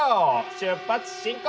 出発進行！